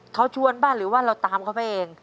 เขาชวนบ้านหรือว่าเราตามเขาไปเอง